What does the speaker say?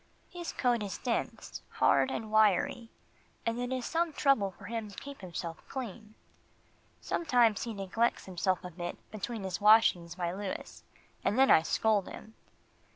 His coat is dense, hard and wiry, and it is some trouble for him to keep himself clean. Sometimes he neglects himself a bit between his washings by Louis, and then I scold him.